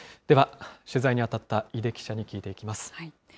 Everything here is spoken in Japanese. では、取材に当たった井出記者に聞いていきます。